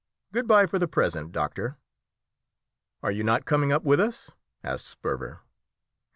Good bye for the present, doctor." "Are you not coming up with us?" asked Sperver.